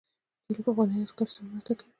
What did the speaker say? دوی له پخوانیو عسکرو سره مرسته کوي.